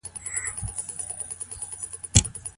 د صحيح نکاح په صورت کي نسب چا ته ثابتيږي؟